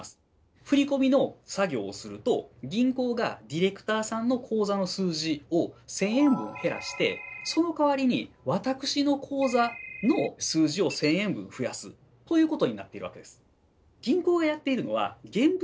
振り込みの作業をすると銀行がディレクターさんの口座の数字を１，０００円分減らしてそのかわりに私の口座の数字を１，０００円分増やすということになっているわけです。